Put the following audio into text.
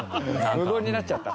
無言になっちゃった。